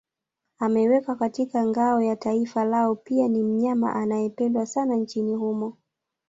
Amewekwa katika ngao ya taifa lao pia ni mnyama anayependwa sana nchini humo